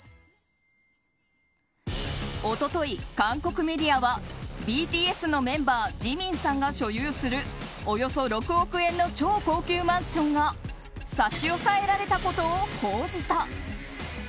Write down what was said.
一昨日、韓国メディアはＢＴＳのメンバージミンさんが所有するおよそ６億円の超高級マンションが差し押さえられたことを報じた。